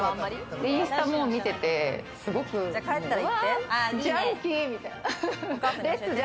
インスタも見てて、すごくジャンキーみたいな。